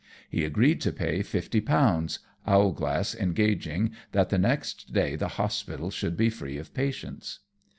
He agreed to pay fifty pounds, Owlglass engaging that the next day the hospital should be free of patients.